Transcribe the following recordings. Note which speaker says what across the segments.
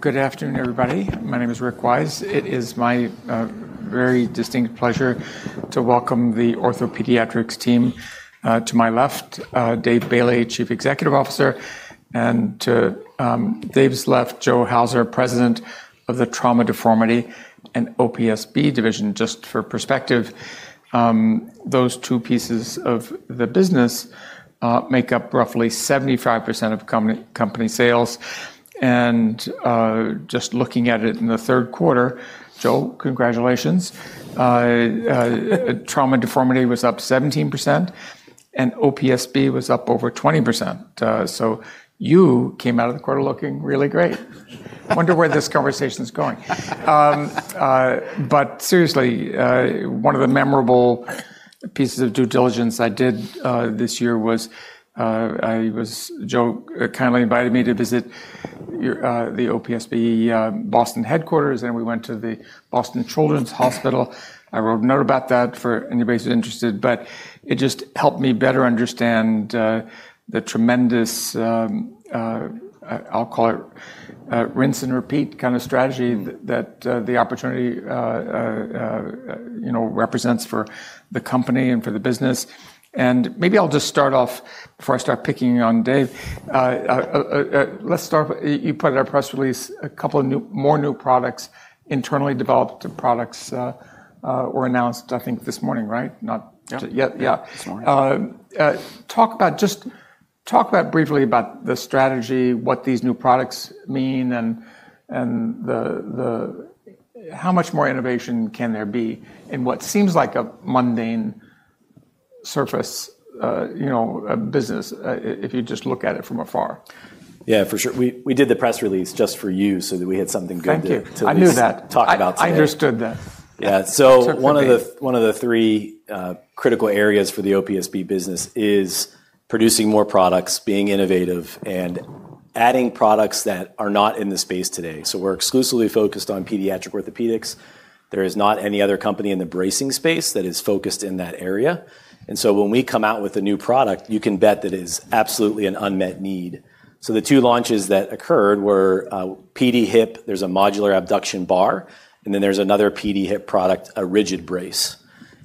Speaker 1: Good afternoon, everybody. My name is Rick Wise. It is my very distinct pleasure to welcome the Orthopediatrics team to my left, Dave Bailey, Chief Executive Officer, and to Dave's left, Joe Hauser, President of the Trauma Deformity and OPSB Division. Just for perspective, those two pieces of the business make up roughly 75% of company sales. And just looking at it in the third quarter, Joe, congratulations. Trauma Deformity was up 17%, and OPSB was up over 20%. So you came out of the quarter looking really great. I wonder where this conversation is going. But seriously, one of the memorable pieces of due diligence I did this year was Joe kindly invited me to visit the OPSB Boston headquarters, and we went to the Boston Children's Hospital. I wrote a note about that for anybody who's interested, but it just helped me better understand the tremendous, I'll call it rinse and repeat kind of strategy that the opportunity represents for the company and for the business. And maybe I'll just start off before I start picking on Dave. Let's start. You put out a press release, a couple more new products, internally developed products were announced, I think, this morning, right?
Speaker 2: Yeah. Talk about just talk about briefly about the strategy, what these new products mean, and how much more innovation can there be in what seems like a mundane surface business if you just look at it from afar. Yeah, for sure. We did the press release just for you so that we had something good to talk about today. I knew that. I understood that. Yeah. So one of the three critical areas for the OPSB business is producing more products, being innovative, and adding products that are not in the space today. So we're exclusively focused on pediatric orthopedics. There is not any other company in the bracing space that is focused in that area. And so when we come out with a new product, you can bet that it is absolutely an unmet need. So the two launches that occurred were PD HIP. There's a modular abduction bar, and then there's another PD HIP product, a rigid brace.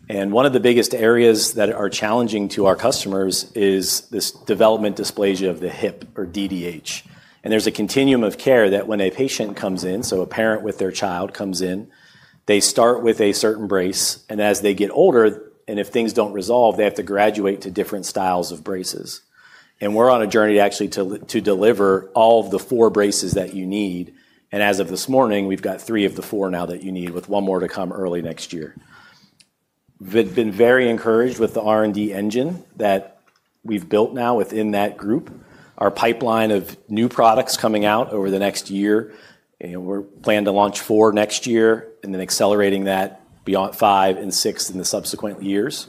Speaker 2: And one of the biggest areas that are challenging to our customers is this development dysplasia of the hip, or DDH. And there's a continuum of care that when a patient comes in, so a parent with their child comes in, they start with a certain brace, and as they get older, and if things don't resolve, they have to graduate to different styles of braces. And we're on a journey to actually deliver all of the four braces that you need. And as of this morning, we've got three of the four now that you need, with one more to come early next year. We've been very encouraged with the R&D engine that we've built now within that group, our pipeline of new products coming out over the next year. We plan to launch four next year and then accelerating that five and six in the subsequent years.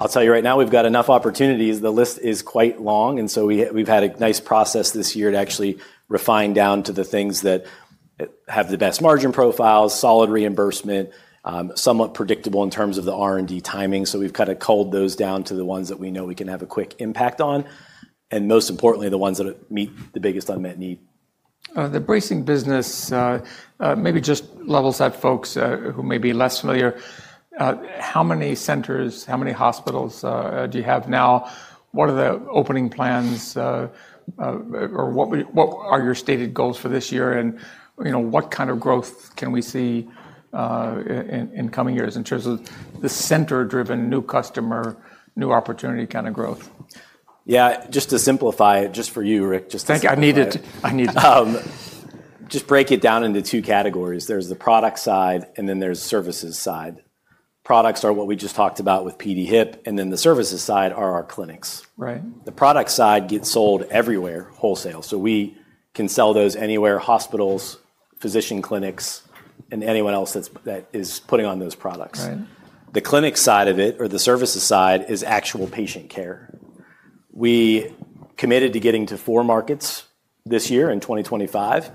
Speaker 2: I'll tell you right now, we've got enough opportunities. The list is quite long, and so we've had a nice process this year to actually refine down to the things that have the best margin profiles, solid reimbursement, somewhat predictable in terms of the R&D timing. So we've kind of culled those down to the ones that we know we can have a quick impact on, and most importantly, the ones that meet the biggest unmet need. The bracing business, maybe just levels up folks who may be less familiar. How many centers, how many hospitals do you have now? What are the opening plans, or what are your stated goals for this year? And what kind of growth can we see in coming years in terms of the center-driven, new customer, new opportunity kind of growth? Yeah, just to simplify it, just for you, Rick, just to. Thank you. I need it. Just break it down into two categories. There's the product side, and then there's the services side. Products are what we just talked about with PD HIP, and then the services side are our clinics. The product side gets sold everywhere wholesale, so we can sell those anywhere: hospitals, physician clinics, and anyone else that is putting on those products. The clinic side of it, or the services side, is actual patient care. We committed to getting to four markets this year in 2025.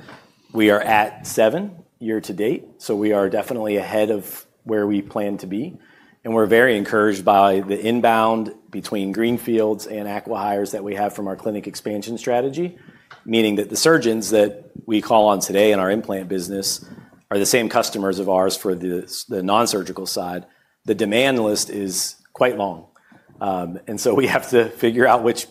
Speaker 2: We are at seven year to date, so we are definitely ahead of where we plan to be. And we're very encouraged by the inbound between Greenfields and AquaHires that we have from our clinic expansion strategy, meaning that the surgeons that we call on today in our implant business are the same customers of ours for the nonsurgical side. The demand list is quite long, and so we have to figure out which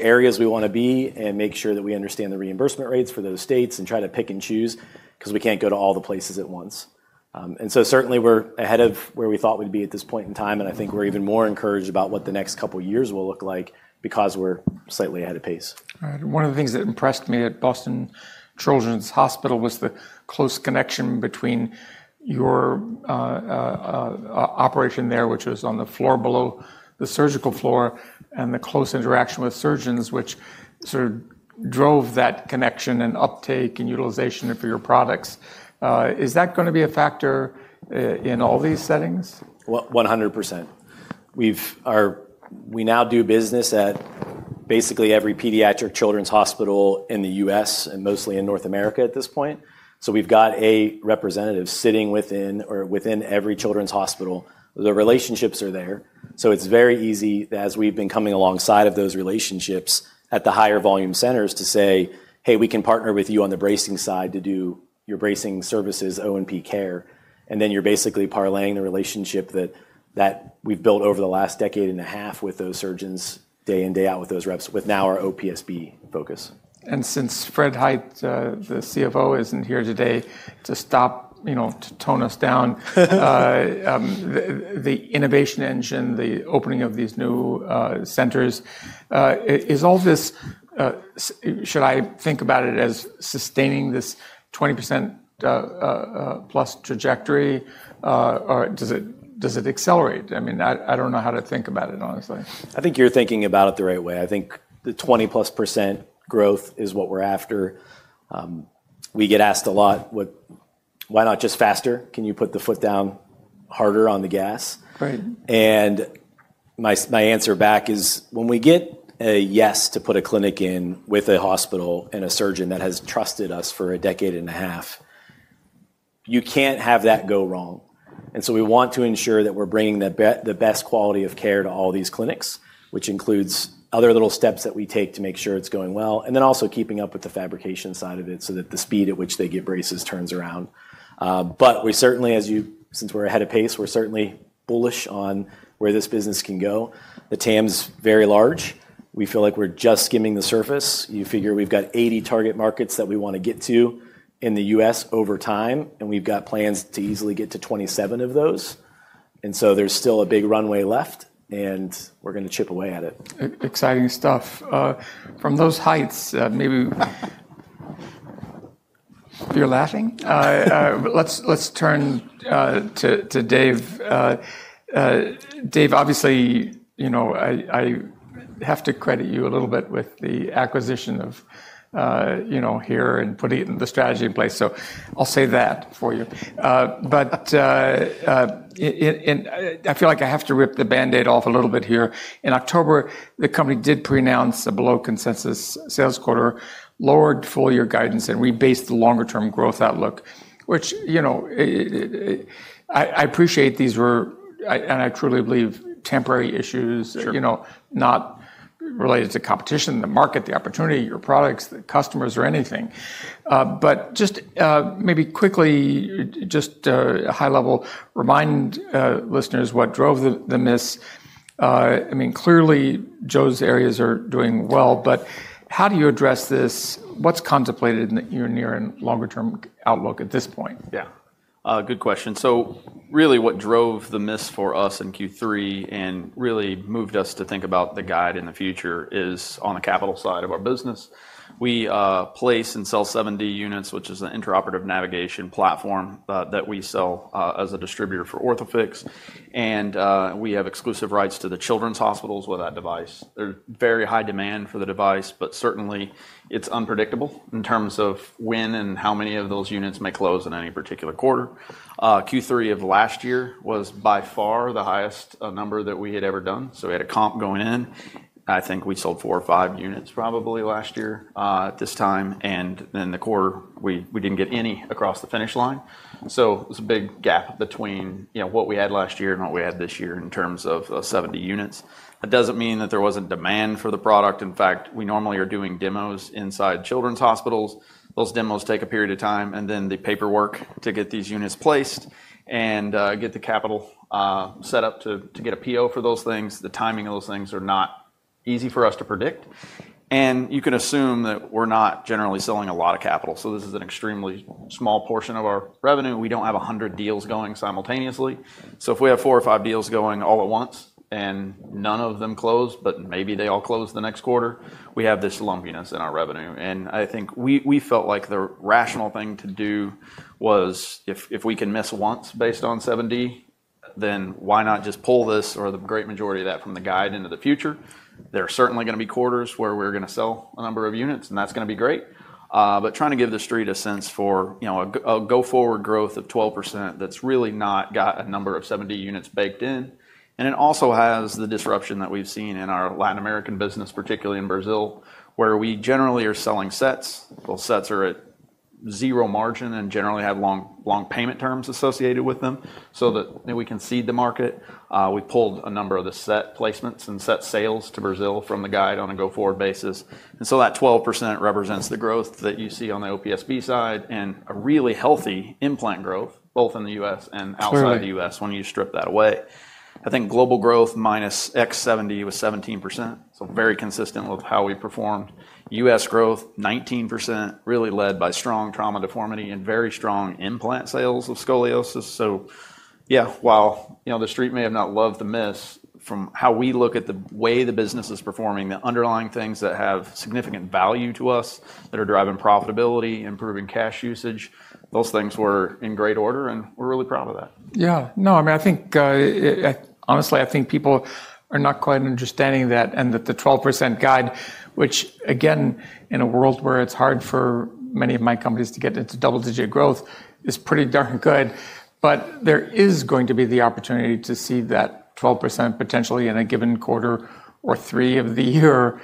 Speaker 2: areas we want to be and make sure that we understand the reimbursement rates for those states and try to pick and choose because we can't go to all the places at once. And so certainly, we're ahead of where we thought we'd be at this point in time, and I think we're even more encouraged about what the next couple of years will look like because we're slightly ahead of pace. All right. One of the things that impressed me at Boston Children's Hospital was the close connection between your operation there, which was on the floor below the surgical floor, and the close interaction with surgeons, which sort of drove that connection and uptake and utilization for your products. Is that going to be a factor in all these settings? 100%. We now do business at basically every pediatric children's hospital in the U.S. and mostly in North America at this point. So we've got a representative sitting within every children's hospital. The relationships are there. So it's very easy that as we've been coming alongside of those relationships at the higher volume centers to say, "Hey, we can partner with you on the bracing side to do your bracing services, O&P care." And then you're basically parlaying the relationship that we've built over the last decade and a half with those surgeons day in, day out with those reps, with now our OPSB focus. And since Fred Heit, the CFO, isn't here today to stop, to tone us down, the innovation engine, the opening of these new centers, is all this should I think about it as sustaining this 20% plus trajectory, or does it accelerate? I mean, I don't know how to think about it, honestly. I think you're thinking about it the right way. I think the 20+% growth is what we're after. We get asked a lot, "Why not just faster? Can you put the foot down harder on the gas?" And my answer back is, when we get a yes to put a clinic in with a hospital and a surgeon that has trusted us for a decade and a half, you can't have that go wrong. And so we want to ensure that we're bringing the best quality of care to all these clinics, which includes other little steps that we take to make sure it's going well, and then also keeping up with the fabrication side of it so that the speed at which they get braces turns around. But we certainly, since we're ahead of pace, we're certainly bullish on where this business can go. The TAM's very large. We feel like we're just skimming the surface. You figure we've got 80 target markets that we want to get to in the U.S. over time, and we've got plans to easily get to 27 of those. And so there's still a big runway left, and we're going to chip away at it. Exciting stuff. From those heights, maybe you're laughing. Let's turn to Dave. Dave, obviously, I have to credit you a little bit with the acquisition here and putting the strategy in place. So I'll say that for you. But I feel like I have to rip the Band-Aid off a little bit here. In October, the company did pronounce a below consensus sales quarter, lowered full year guidance, and rebased the longer term growth outlook, which I appreciate these were, and I truly believe, temporary issues, not related to competition, the market, the opportunity, your products, the customers, or anything. But just maybe quickly, just a high level, remind listeners what drove the miss. I mean, clearly, Joe's areas are doing well, but how do you address this? What's contemplated in your near and longer term outlook at this point?
Speaker 3: Yeah. Good question. So really what drove the miss for us in Q3 and really moved us to think about the guide in the future is on the capital side of our business. We place and sell 70 units, which is an interoperative navigation platform that we sell as a distributor for Orthophix. And we have exclusive rights to the children's hospitals with that device. There's very high demand for the device, but certainly it's unpredictable in terms of when and how many of those units may close in any particular quarter. Q3 of last year was by far the highest number that we had ever done. So we had a comp going in. I think we sold four or five units probably last year at this time. And then the quarter, we didn't get any across the finish line. So there's a big gap between what we had last year and what we had this year in terms of 70 units. That doesn't mean that there wasn't demand for the product. In fact, we normally are doing demos inside children's hospitals. Those demos take a period of time, and then the paperwork to get these units placed and get the capital set up to get a PO for those things, the timing of those things are not easy for us to predict. And you can assume that we're not generally selling a lot of capital. So this is an extremely small portion of our revenue. We don't have 100 deals going simultaneously. So if we have four or five deals going all at once and none of them close, but maybe they all close the next quarter, we have this lumpiness in our revenue. And I think we felt like the rational thing to do was if we can miss once based on 70, then why not just pull this or the great majority of that from the guide into the future? There are certainly going to be quarters where we're going to sell a number of units, and that's going to be great. But trying to give the street a sense for a go-forward growth of 12% that's really not got a number of 70 units baked in. And it also has the disruption that we've seen in our Latin American business, particularly in Brazil, where we generally are selling sets. Those sets are at zero margin and generally have long payment terms associated with them so that we can seed the market. We pulled a number of the set placements and set sales to Brazil from the guide on a go-forward basis. And so that 12% represents the growth that you see on the OPSB side and a really healthy implant growth both in the U.S. and outside the U.S. when you strip that away. I think global growth -X70 was 17%. So very consistent with how we performed. U.S. growth, 19%, really led by strong trauma deformity and very strong implant sales of scoliosis. So yeah, while the street may have not loved the miss from how we look at the way the business is performing, the underlying things that have significant value to us that are driving profitability, improving cash usage, those things were in great order, and we're really proud of that. Yeah. No, I mean, I think honestly, I think people are not quite understanding that and that the 12% guide, which again, in a world where it's hard for many of my companies to get into double-digit growth, is pretty darn good. But there is going to be the opportunity to see that 12% potentially in a given quarter or three of the year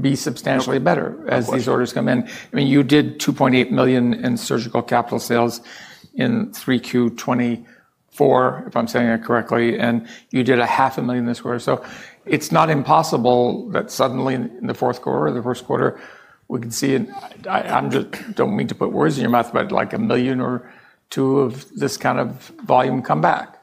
Speaker 3: be substantially better as these orders come in. I mean, you did 2.8 million in surgical capital sales in Q3, if I'm saying it correctly, and you did a half a million this quarter. So it's not impossible that suddenly in the fourth quarter or the first quarter, we can see it. I don't mean to put words in your mouth, but like a million or two of this kind of volume come back.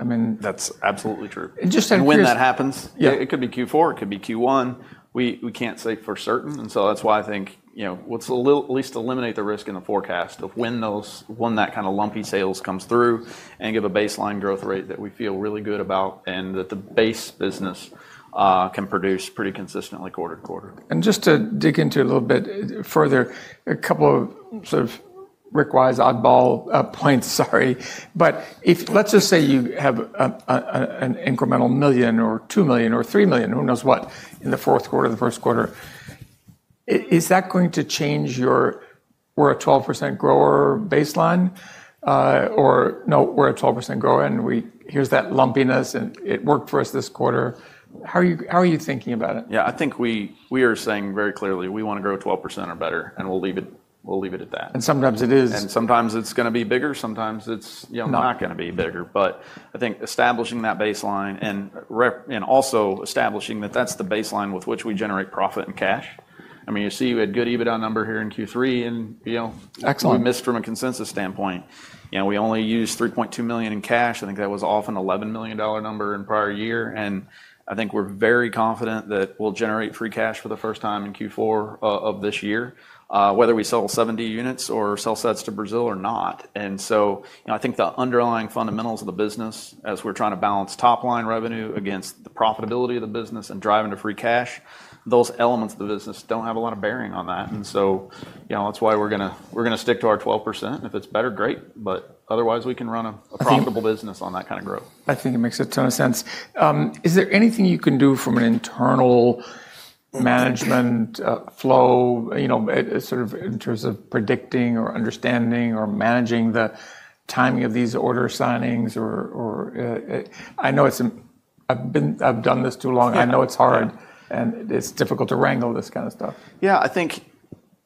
Speaker 3: I mean.
Speaker 2: That's absolutely true. Interesting.
Speaker 3: When that happens, it could be Q4, it could be Q1. We can't say for certain. And so that's why I think let's at least eliminate the risk in the forecast of when that kind of lumpy sales comes through and give a baseline growth rate that we feel really good about and that the base business can produce pretty consistently quarter-to-quarter. And just to dig into a little bit further, a couple of sort of Rick Wise oddball points, sorry. But let's just say you have an incremental million or 2 million or 3 million, who knows what, in the fourth quarter, the first quarter. Is that going to change your, "We're a 12% grower baseline," or, "No, we're a 12% grower and here's that lumpiness and it worked for us this quarter"? How are you thinking about it? Yeah, I think we are saying very clearly we want to grow 12% or better, and we'll leave it at that. And sometimes it is. And sometimes it's going to be bigger. Sometimes it's not going to be bigger. But I think establishing that baseline and also establishing that that's the baseline with which we generate profit and cash. I mean, you see we had good EBITDA number here in Q3 and we missed from a consensus standpoint. We only used 3.2 million in cash. I think that was off an $11 million number in prior year. And I think we're very confident that we'll generate free cash for the first time in Q4 of this year, whether we sell 70 units or sell sets to Brazil or not. And so I think the underlying fundamentals of the business, as we're trying to balance top-line revenue against the profitability of the business and driving to free cash, those elements of the business don't have a lot of bearing on that. And so that's why we're going to stick to our 12%. If it's better, great. But otherwise, we can run a profitable business on that kind of growth. I think it makes a ton of sense. Is there anything you can do from an internal management flow sort of in terms of predicting or understanding or managing the timing of these order signings? I know it's. I've done this too long. I know it's hard and it's difficult to wrangle this kind of stuff. Yeah, I think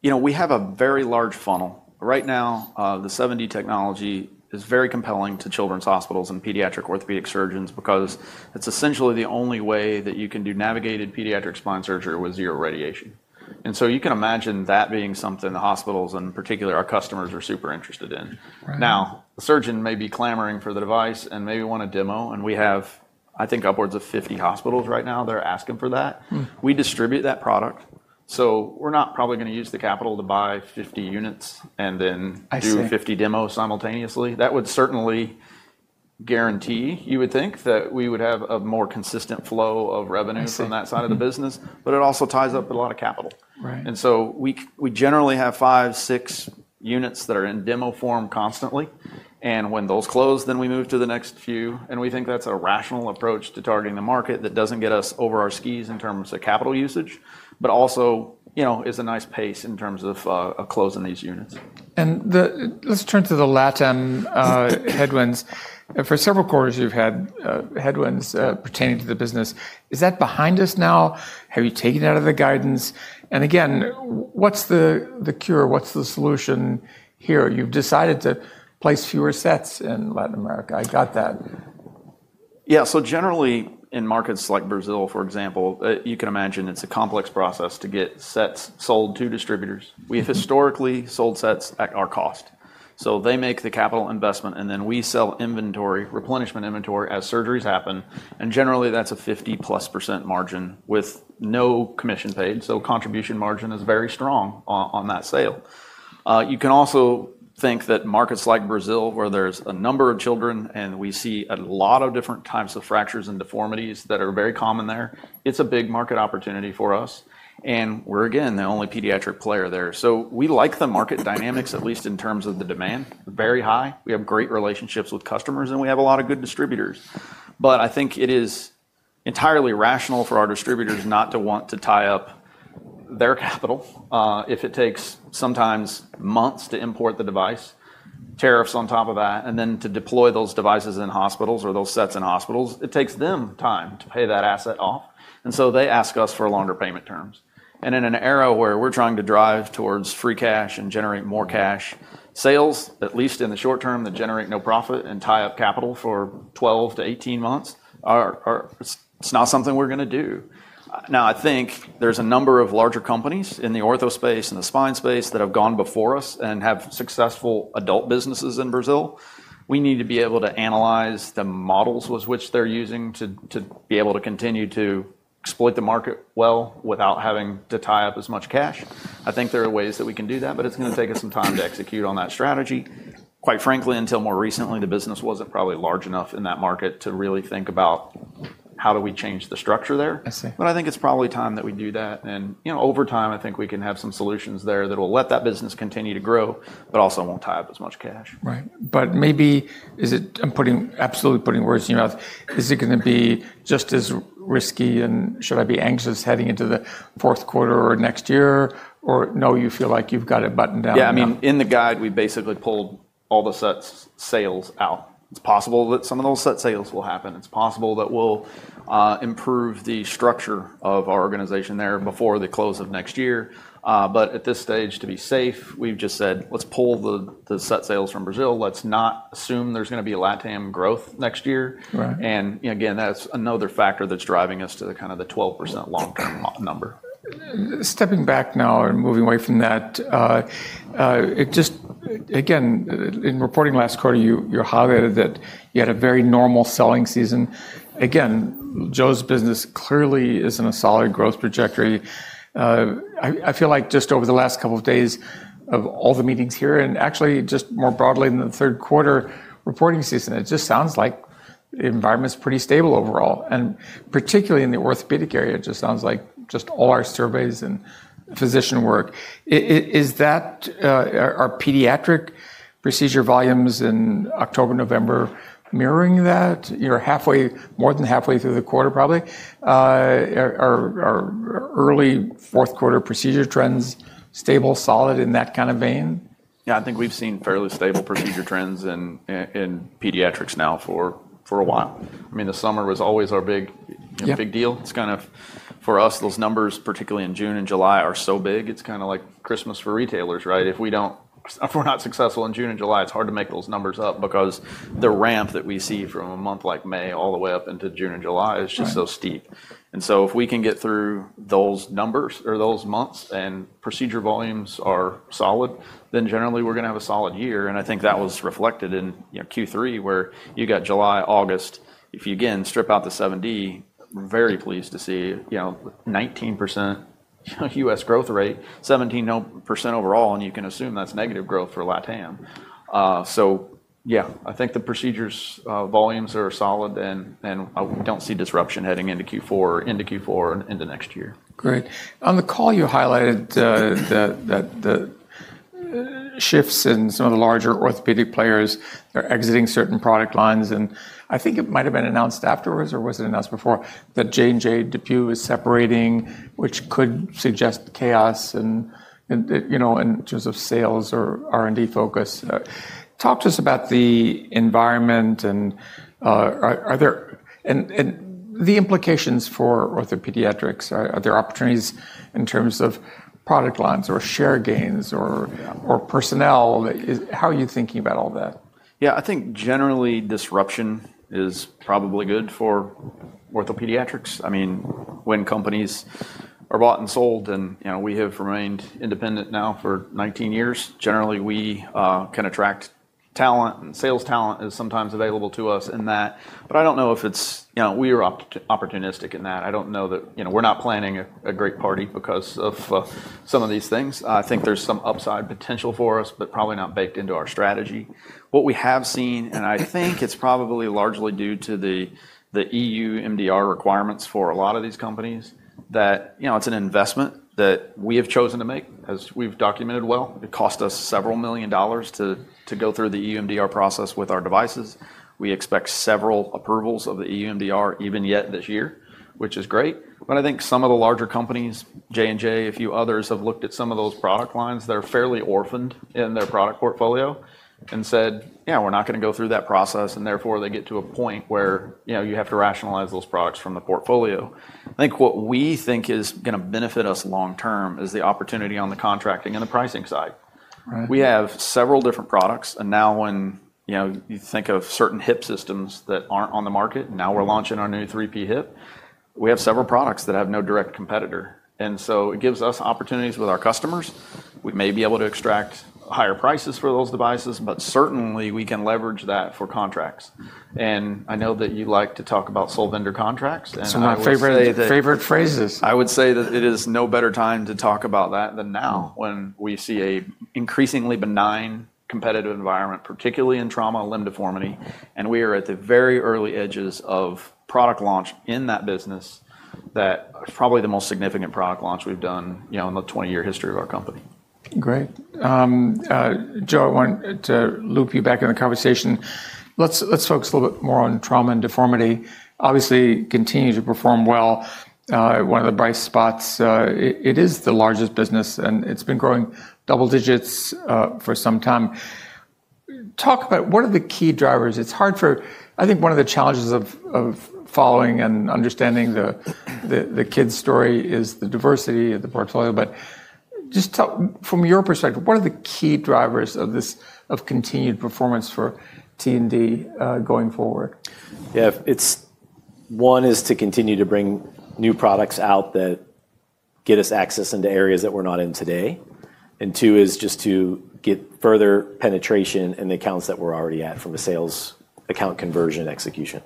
Speaker 3: we have a very large funnel. Right now, the 70 technology is very compelling to children's hospitals and pediatric orthopedic surgeons because it's essentially the only way that you can do navigated pediatric spine surgery with zero radiation. And so you can imagine that being something the hospitals and particularly our customers are super interested in. Now, the surgeon may be clamoring for the device and maybe want a demo, and we have, I think, upwards of 50 hospitals right now that are asking for that. We distribute that product. So we're not probably going to use the capital to buy 50 units and then do 50 demos simultaneously. That would certainly guarantee, you would think, that we would have a more consistent flow of revenue from that side of the business. But it also ties up with a lot of capital.
Speaker 2: And so we generally have five, six units that are in demo form constantly. And when those close, then we move to the next few. And we think that's a rational approach to targeting the market that doesn't get us over our skis in terms of capital usage, but also is a nice pace in terms of closing these units. And let's turn to the LATAM headwinds. For several quarters, you've had headwinds pertaining to the business. Is that behind us now? Have you taken it out of the guidance? And again, what's the cure? What's the solution here? You've decided to place fewer sets in Latin America. I got that.
Speaker 3: Yeah. So generally in markets like Brazil, for example, you can imagine it's a complex process to get sets sold to distributors. We have historically sold sets at our cost. So they make the capital investment, and then we sell inventory, replenishment inventory as surgeries happen. And generally, that's a 50+% margin with no commission paid. So contribution margin is very strong on that sale. You can also think that markets like Brazil, where there's a number of children and we see a lot of different types of fractures and deformities that are very common there, it's a big market opportunity for us. And we're, again, the only pediatric player there. So we like the market dynamics, at least in terms of the demand, very high. We have great relationships with customers and we have a lot of good distributors. But I think it is entirely rational for our distributors not to want to tie up their capital if it takes sometimes months to import the device, tariffs on top of that, and then to deploy those devices in hospitals or those sets in hospitals. It takes them time to pay that asset off. And so they ask us for longer payment terms. And in an era where we're trying to drive towards free cash and generate more cash, sales, at least in the short term, that generate no profit and tie up capital for 12 to 18 months, it's not something we're going to do. Now, I think there's a number of larger companies in the ortho space and the spine space that have gone before us and have successful adult businesses in Brazil. We need to be able to analyze the models with which they're using to be able to continue to exploit the market well without having to tie up as much cash. I think there are ways that we can do that, but it's going to take us some time to execute on that strategy. Quite frankly, until more recently, the business wasn't probably large enough in that market to really think about how do we change the structure there. But I think it's probably time that we do that. And over time, I think we can have some solutions there that will let that business continue to grow, but also won't tie up as much cash. Right. But maybe, I'm absolutely putting words in your mouth, is it going to be just as risky and should I be anxious heading into the fourth quarter or next year? Or no, you feel like you've got it buttoned down? Yeah. In the guide, we basically pulled all the set sales out. It's possible that some of those set sales will happen. It's possible that we'll improve the structure of our organization there before the close of next year. But at this stage, to be safe, we've just said, let's pull the set sales from Brazil. Let's not assume there's going to be LATAM growth next year. And again, that's another factor that's driving us to the kind of the 12% long-term number. Stepping back now and moving away from that, just again, in reporting last quarter, you highlighted that you had a very normal selling season. Again, Joe's business clearly is in a solid growth trajectory. I feel like just over the last couple of days of all the meetings here and actually just more broadly in the third quarter reporting season, it just sounds like the environment's pretty stable overall. And particularly in the orthopedic area, it just sounds like just all our surveys and physician work. Are pediatric procedure volumes in October, November mirroring that? You're more than halfway through the quarter probably. Are early fourth quarter procedure trends stable, solid in that kind of vein?
Speaker 2: Yeah, I think we've seen fairly stable procedure trends in pediatrics now for a while. I mean, the summer was always our big deal. It's kind of for us, those numbers, particularly in June and July, are so big. It's kind of like Christmas for retailers, right? If we're not successful in June and July, it's hard to make those numbers up because the ramp that we see from a month like May all the way up into June and July is just so steep. And so if we can get through those numbers or those months and procedure volumes are solid, then generally we're going to have a solid year. And I think that was reflected in Q3 where you got July, August. If you again strip out the 70, very pleased to see 19% U.S. growth rate, 17% overall, and you can assume that's negative growth for LATAM. So yeah, I think the procedures volumes are solid and I don't see disruption heading into Q4 into Q4 and into next year. Great. On the call, you highlighted the shifts in some of the larger orthopedic players. They're exiting certain product lines. And I think it might have been announced afterwards or was it announced before that J&J, DePuy is separating, which could suggest chaos in terms of sales or R&D focus. Talk to us about the environment and the implications for orthopediatrics. Are there opportunities in terms of product lines or share gains or personnel? How are you thinking about all that?
Speaker 3: Yeah, I think generally disruption is probably good for orthopediatrics. I mean, when companies are bought and sold and we have remained independent now for 19 years, generally we can attract talent and sales talent is sometimes available to us in that. But I don't know if it's we are opportunistic in that. I don't know that we're not planning a great party because of some of these things. I think there's some upside potential for us, but probably not baked into our strategy. What we have seen, and I think it's probably largely due to the EU MDR requirements for a lot of these companies, that it's an investment that we have chosen to make as we've documented well. It cost us several million dollars to go through the EU MDR process with our devices. We expect several approvals of the EU MDR even yet this year, which is great. But I think some of the larger companies, J&J, a few others have looked at some of those product lines. They're fairly orphaned in their product portfolio and said, "Yeah, we're not going to go through that process." And therefore they get to a point where you have to rationalize those products from the portfolio. I think what we think is going to benefit us long term is the opportunity on the contracting and the pricing side. We have several different products. And now when you think of certain hip systems that aren't on the market, now we're launching our new 3P Hip. We have several products that have no direct competitor. And so it gives us opportunities with our customers. We may be able to extract higher prices for those devices, but certainly we can leverage that for contracts. And I know that you like to talk about sole vendor contracts and. It's my favorite phrases. I would say that it is no better time to talk about that than now when we see an increasingly benign competitive environment, particularly in trauma limb deformity. And we are at the very early edges of product launch in that business that is probably the most significant product launch we've done in the 20-year history of our company. Great. Joe, I want to loop you back in the conversation. Let's focus a little bit more on trauma and deformity. Obviously, continue to perform well. One of the bright spots, it is the largest business and it's been growing double digits for some time. Talk about what are the key drivers? It's hard for, I think one of the challenges of following and understanding the kids' story is the diversity of the portfolio. But just from your perspective, what are the key drivers of continued performance for T&D going forward?
Speaker 2: Yeah, one is to continue to bring new products out that get us access into areas that we're not in today. And two is just to get further penetration in the accounts that we're already at from the sales account conversion execution.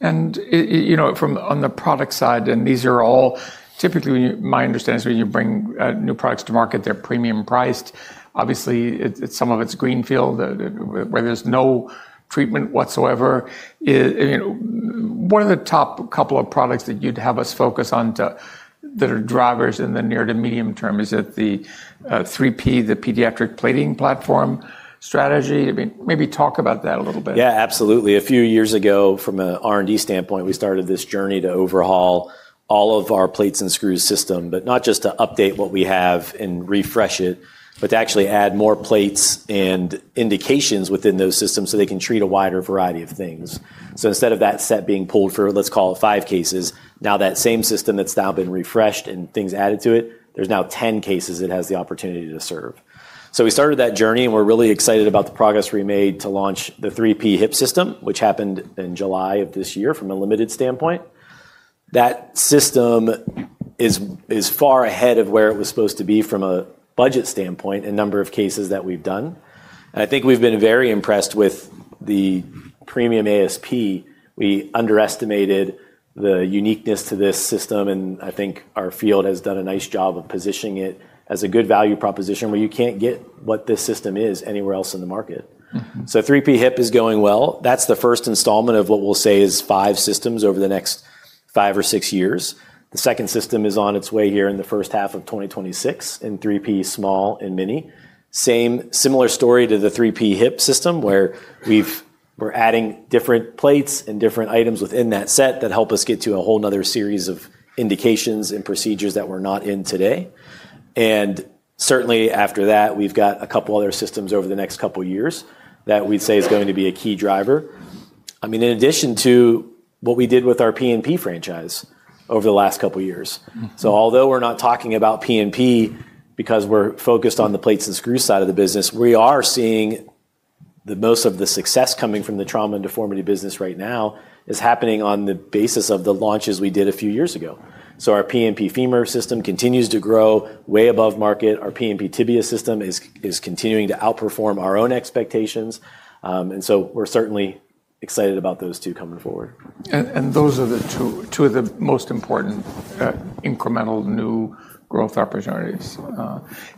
Speaker 2: And on the product side, and these are all typically my understanding is when you bring new products to market, they're premium priced. Obviously, some of it's greenfield where there's no treatment whatsoever. One of the top couple of products that you'd have us focus on that are drivers in the near to medium term is at the 3P, the pediatric plating platform strategy. Maybe talk about that a little bit. Yeah, absolutely. A few years ago, from an R&D standpoint, we started this journey to overhaul all of our plates and screws system, but not just to update what we have and refresh it, but to actually add more plates and indications within those systems so they can treat a wider variety of things. So instead of that set being pulled for, let's call it five cases, now that same system that's now been refreshed and things added to it, there's now 10 cases it has the opportunity to serve. So we started that journey and we're really excited about the progress we made to launch the 3P hip system, which happened in July of this year from a limited standpoint. That system is far ahead of where it was supposed to be from a budget standpoint and number of cases that we've done. I think we've been very impressed with the premium ASP. We underestimated the uniqueness to this system. And I think our field has done a nice job of positioning it as a good value proposition where you can't get what this system is anywhere else in the market. So 3P hip is going well. That's the first installment of what we'll say is five systems over the next five or six years. The second system is on its way here in the first half of 2026 in 3P small and mini. Same similar story to the 3P hip system where we're adding different plates and different items within that set that help us get to a whole nother series of indications and procedures that we're not in today. And certainly after that, we've got a couple other systems over the next couple of years that we'd say is going to be a key driver. I mean, in addition to what we did with our P&P franchise over the last couple of years. So although we're not talking about P&P because we're focused on the plates and screws side of the business, we are seeing most of the success coming from the trauma and deformity business right now is happening on the basis of the launches we did a few years ago. So our P&P femur system continues to grow way above market. Our P&P tibia system is continuing to outperform our own expectations. And so we're certainly excited about those two coming forward. And those are the two of the most important incremental new growth opportunities.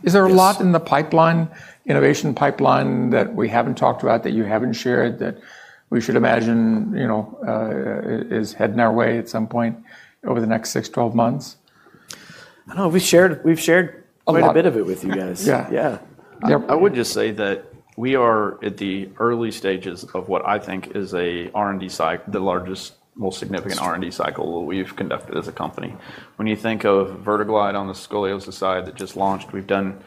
Speaker 2: Is there a lot in the pipeline, innovation pipeline that we haven't talked about that you haven't shared that we should imagine is heading our way at some point over the next six, 12 months? I don't know. We've shared quite a bit of it with you guys.
Speaker 3: Yeah. I would just say that we are at the early stages of what I think is the largest, most significant R&D cycle we've conducted as a company. When you think of VertiGlide on the scoliosis side that just launched, we've done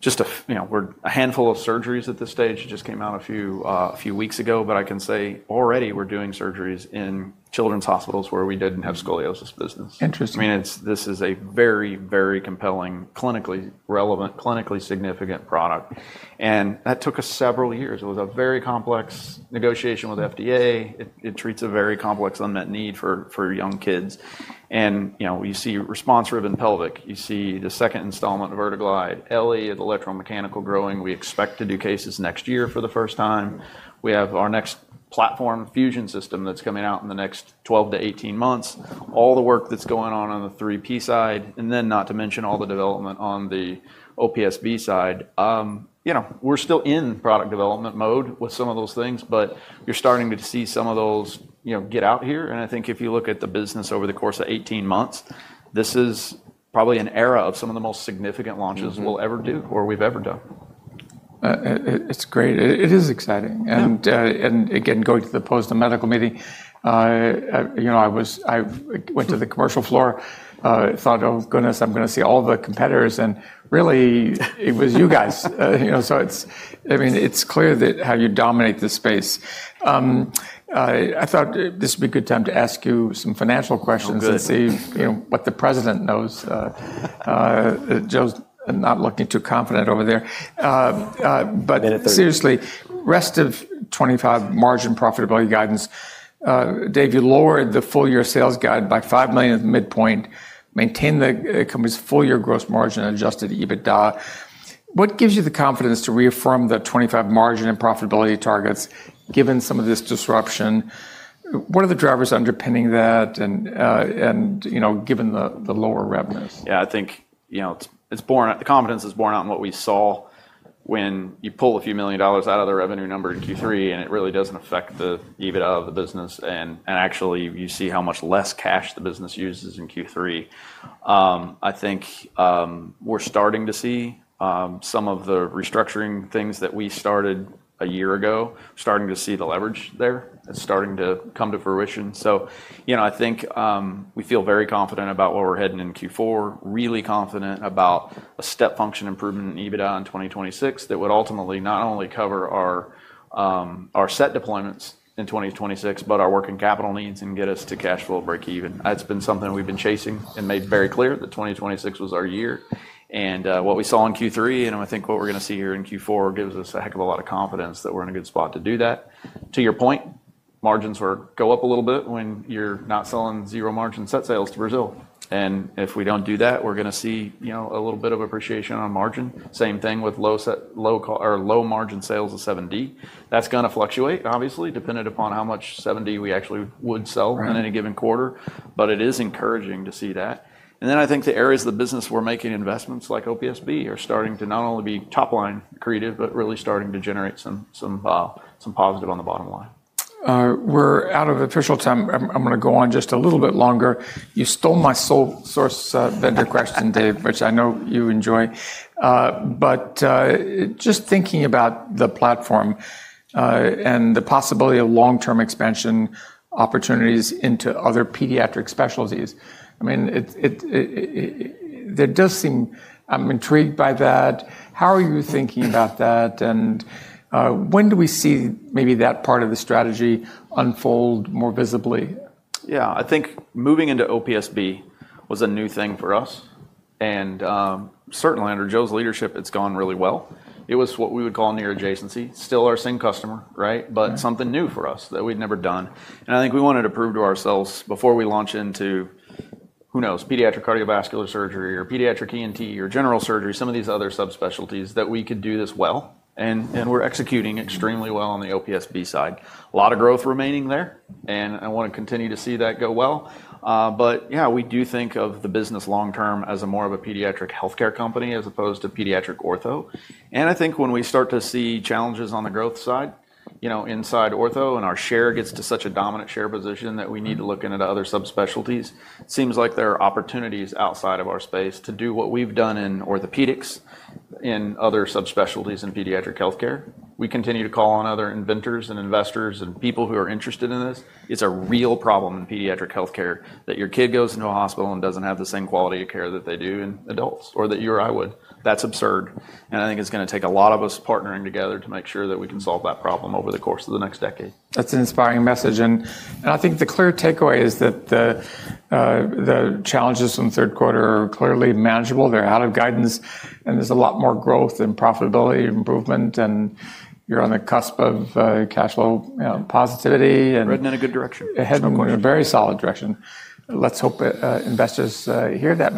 Speaker 3: just a handful of surgeries at this stage. It just came out a few weeks ago, but I can say already we're doing surgeries in children's hospitals where we didn't have scoliosis business. I mean, this is a very, very compelling, clinically relevant, clinically significant product. And that took us several years. It was a very complex negotiation with FDA. It treats a very complex unmet need for young kids. And you see RESPONSE, rib and pelvic. You see the second installment of VertiGlide, Ellie, the electromechanical growing. We expect to do cases next year for the first time. We have our next platform fusion system that's coming out in the next 12 to 18 months. All the work that's going on on the 3P side, and then not to mention all the development on the OPSB side. We're still in product development mode with some of those things, but you're starting to see some of those get out here. And I think if you look at the business over the course of 18 months, this is probably an era of some of the most significant launches we'll ever do or we've ever done. It's great. It is exciting, and again, going to the post-medical meeting, I went to the commercial floor, thought, "Oh goodness, I'm going to see all the competitors," and really it was you guys, so I mean, it's clear that how you dominate the space. I thought this would be a good time to ask you some financial questions and see what the president knows. Joe's not looking too confident over there, but seriously, rest of 25 margin profitability guidance, Dave, you lowered the full year sales guide by $5 million at the midpoint, maintained the company's full year gross margin and Adjusted EBITDA. What gives you the confidence to reaffirm the 25 margin and profitability targets given some of this disruption? What are the drivers underpinning that and given the lower revenues? Yeah, I think the confidence is born out in what we saw when you pull a few million dollars out of the revenue number in Q3 and it really doesn't affect the EBITDA of the business. Actually, you see how much less cash the business uses in Q3. I think we're starting to see some of the restructuring things that we started a year ago, starting to see the leverage there and starting to come to fruition. I think we feel very confident about where we're heading in Q4, really confident about a step function improvement in EBITDA in 2026 that would ultimately not only cover our set deployments in 2026, but our working capital needs and get us to cash flow break even. That's been something we've been chasing and made very clear that 2026 was our year. And what we saw in Q3 and I think what we're going to see here in Q4 gives us a heck of a lot of confidence that we're in a good spot to do that. To your point, margins go up a little bit when you're not selling zero margin set sales to Brazil. And if we don't do that, we're going to see a little bit of appreciation on margin. Same thing with low margin sales of 7D. That's going to fluctuate obviously depending upon how much 7D we actually would sell in any given quarter, but it is encouraging to see that. And then I think the areas of the business we're making investments like OPSB are starting to not only be top line creative, but really starting to generate some positive on the bottom line. We're out of official time. I'm going to go on just a little bit longer. You stole my sole source vendor question, Dave, which I know you enjoy. But just thinking about the platform and the possibility of long-term expansion opportunities into other pediatric specialties, I mean, there does seem. I'm intrigued by that. How are you thinking about that? And when do we see maybe that part of the strategy unfold more visibly? Yeah, I think moving into OPSB was a new thing for us. And certainly under Joe's leadership, it's gone really well. It was what we would call near adjacency. Still our same customer, right? But something new for us that we'd never done. And I think we wanted to prove to ourselves before we launch into, who knows, pediatric cardiovascular surgery or pediatric ENT or general surgery, some of these other subspecialties that we could do this well. And we're executing extremely well on the OPSB side. A lot of growth remaining there. And I want to continue to see that go well. But yeah, we do think of the business long term as more of a pediatric healthcare company as opposed to pediatric ortho. And I think when we start to see challenges on the growth side inside ortho and our share gets to such a dominant share position that we need to look into other subspecialties, it seems like there are opportunities outside of our space to do what we've done in orthopedics and other subspecialties in pediatric healthcare. We continue to call on other inventors and investors and people who are interested in this. It's a real problem in pediatric healthcare that your kid goes into a hospital and doesn't have the same quality of care that they do in adults or that you or I would. That's absurd. And I think it's going to take a lot of us partnering together to make sure that we can solve that problem over the course of the next decade. That's an inspiring message. I think the clear takeaway is that the challenges from third quarter are clearly manageable. They're out of guidance. There's a lot more growth and profitability improvement. You're on the cusp of cash flow positivity. We're heading in a good direction. Heading in a very solid direction. Let's hope investors hear that.